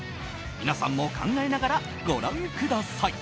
皆さんも考えながらご覧ください。